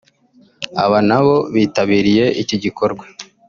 aba nabo bitabiriye iki gikorwa